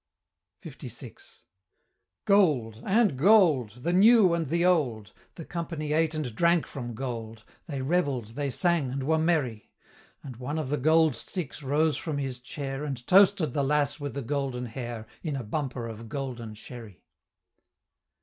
LVI. Gold! and gold! the new and the old! The company ate and drank from gold, They revell'd, they sang, and were merry; And one of the Gold Sticks rose from his chair, And toasted "the Lass with the golden hair" In a bumper of Golden Sherry.